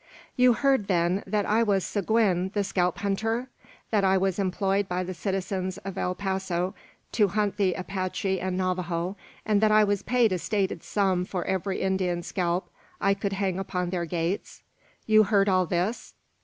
"You heard, then, that I was Seguin the Scalp hunter? That I was employed by the citizens of El Paso to hunt the Apache and Navajo, and that I was paid a stated sum for every Indian scalp I could hang upon their gates? You heard all this?"